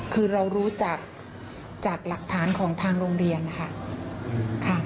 คือเรารู้จากหลักฐานของทางโรงเรียนนะคะ